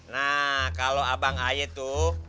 nah kalau abang aye tuh